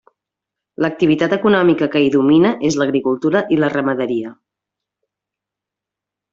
L'activitat econòmica que hi domina és l'agricultura i la ramaderia.